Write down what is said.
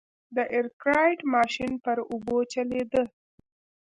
د ارکرایټ ماشین پر اوبو چلېده.